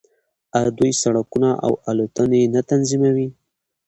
آیا دوی سړکونه او الوتنې نه تنظیموي؟